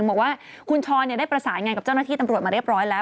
บอกว่าคุณช้อนได้ประสานงานกับเจ้าหน้าที่ตำรวจมาเรียบร้อยแล้ว